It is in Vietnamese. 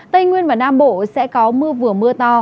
tây nguyên và nam bộ sẽ có mưa vừa mưa to